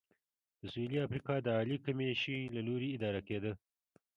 د سوېلي افریقا د عالي کمېشۍ له لوري اداره کېده.